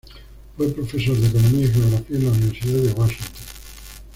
Fue profesor de Economía y Geografía en la Universidad de Washington.